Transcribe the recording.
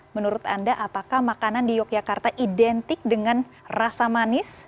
menurut anda apakah makanan di yogyakarta identik dengan rasa manis